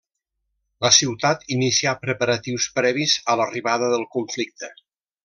La ciutat inicià preparatius previs a l'arribada del conflicte.